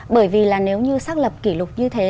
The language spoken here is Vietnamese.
bởi vì là nếu như xác lập kỷ lục như thế